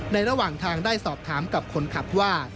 ระหว่างทางได้สอบถามกับคนขับว่า